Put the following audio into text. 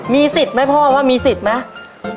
มีสิทธิ์ไหมพ่อว่ามีสิทธิ์ไหม